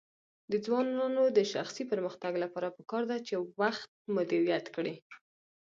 د ځوانانو د شخصي پرمختګ لپاره پکار ده چې وخت مدیریت کړي.